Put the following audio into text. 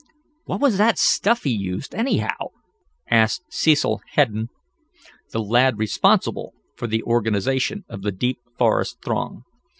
"What was that stuff he used, anyhow?" asked Cecil Hedden, the lad responsible for the organization of the Deep Forest Throng.